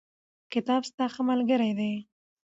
کتاب ستا ښه ملګری دی.